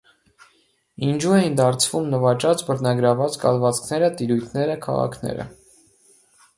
Ինջու էին դարձվում նվաճած, բռնագրավված կալվածքները, տիրույթները, քաղաքները։